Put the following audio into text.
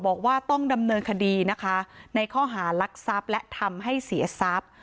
บอกว่าต้องดำเนินคดีนะคะในข้อหารักทรัพย์และทำให้เสียทรัพย์